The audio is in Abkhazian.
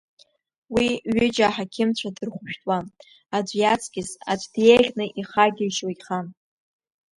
Уи ҩыџьа аҳақьымцәа дырхәышәтәуан, аӡә иаҵкыс аӡә деиӷьны ихагьежьуа ихан.